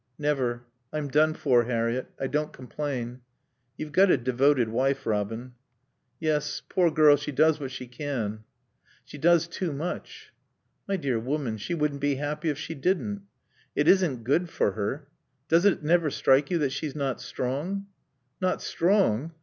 "Never. I'm done for, Harriett. I don't complain." "You've got a devoted wife, Robin." "Yes. Poor girl, she does what she can." "She does too much." "My dear woman, she wouldn't be happy if she didn't." "It isn't good for her. Does it never strike you that she's not strong?" "Not strong?